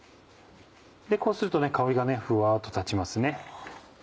こうすると香りがふわっと立ちますね。